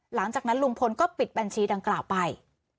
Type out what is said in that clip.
หลังจากนั้นลุงพลก็ปิดบัญชีดังกล่าวไป